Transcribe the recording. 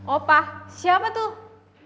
opa siapa tuh